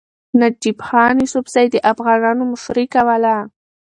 نجیب خان یوسفزي د افغانانو مشري کوله.